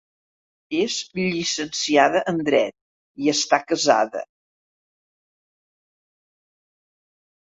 És llicenciada en Dret i està casada.